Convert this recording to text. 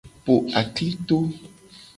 Po aklito.